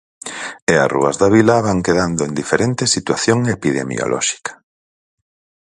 E as rúas da vila van quedando en diferente situación epidemiolóxica.